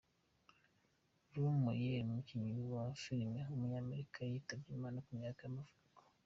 Lou Myers, umukinnyi wa filime w’umunyamerika yitabye Imana, ku myaka y’amavuko.